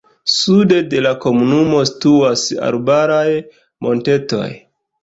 Sude de la komunumo situas arbaraj montetoj.